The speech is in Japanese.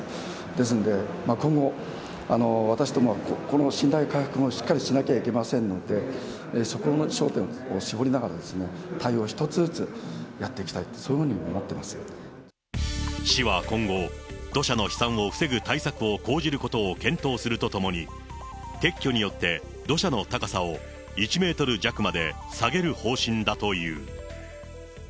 ですので、今後、私どもはこの信頼回復もしっかりしなきゃいけませんので、そこの焦点を絞りながら、対応を１つずつやっていきたいと、市は今後、土砂の飛散を防ぐ対策を講じることを検討するとともに、撤去によって土砂の高さを１メートル弱まで下げる方針だという。